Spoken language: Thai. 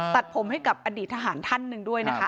ตัดผมให้กับอดีตทหารท่านหนึ่งด้วยนะคะ